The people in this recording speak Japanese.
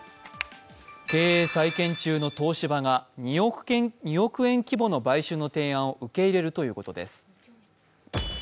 経営再建中の東芝が２億円規模の買収の提案を受け入れるということです。